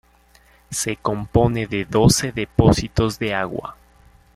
Se compone de doce depósitos de agua.